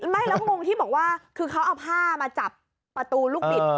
ไม่แล้วมุมที่บอกว่าคือเขาเอาผ้ามาจับประตูลูกบิด